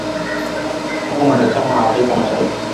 kama mwanachama wa afrika mashariki